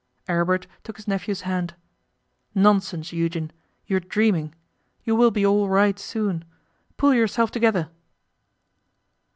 Aribert took his nephew's hand. 'Nonsense, Eugen! You are dreaming. You will be all right soon. Pull yourself together.